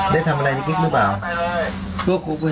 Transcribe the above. ได้ทำอะไรในกิ๊กหรือเปล่า